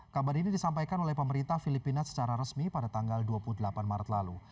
kabar ini disampaikan oleh pemerintah filipina secara resmi pada tanggal dua puluh delapan maret lalu